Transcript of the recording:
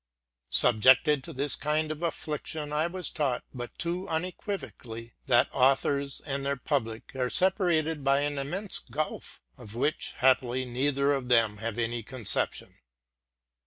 Subjected to this kind of infliction, I was taught but too unequivocally, that authors and their public are separated by an immense gulf, of which, happily, neither of them has any conception.